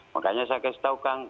makanya saya kasih taukan